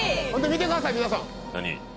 見てください皆さん！